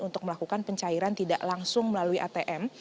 untuk melakukan pencairan tidak langsung melalui atm